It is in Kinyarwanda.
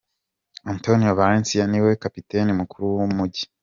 Antonio Valencia niwe kapitene mukuru w'umugwi.